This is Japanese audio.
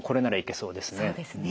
そうですね。